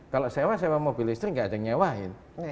kalau sewa mobil listrik enggak ada yang nyewain